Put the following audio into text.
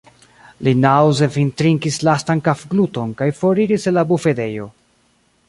Li naŭze fintrinkis lastan kafgluton kaj foriris el la bufedejo.